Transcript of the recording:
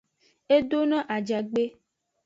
E do no ajagbe.